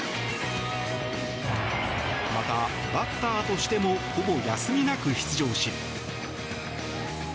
また、バッターとしてもほぼ休みなく出場し。